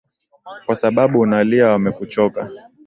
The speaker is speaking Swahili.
Kwa sababu unalia wamekuchoka